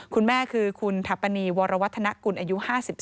คุณแม่คือคุณถัปนีวรวัฒนกุลอายุ๕๒